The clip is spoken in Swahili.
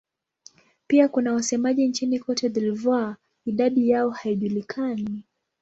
Pia kuna wasemaji nchini Cote d'Ivoire; idadi yao haijulikani.